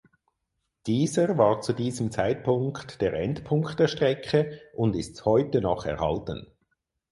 Dieser war zu diesem Zeitpunkt der Endpunkt der Strecke und ist heute noch erhalten.